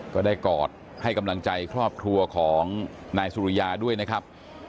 ก็ได้กอดให้กำลังใจครอบครัวของนายสุริยาด้วยนะครับ